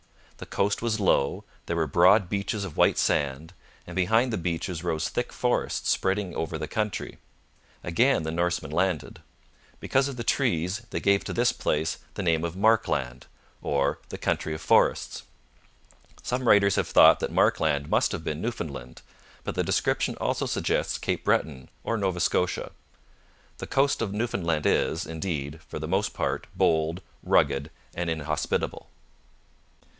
The coast was low, there were broad beaches of white sand, and behind the beaches rose thick forests spreading over the country. Again the Norsemen landed. Because of the trees, they gave to this place the name of Markland, or the Country of Forests. Some writers have thought that Markland must have been Newfoundland, but the description also suggests Cape Breton or Nova Scotia. The coast of Newfoundland is, indeed, for the most part, bold, rugged, and inhospitable.